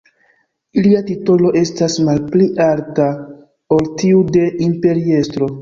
Ilia titolo estas malpli alta ol tiu de imperiestro.